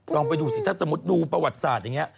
ลองไปดูสิถ้าสมมุติดูประวัติศาสตร์อย่างนี้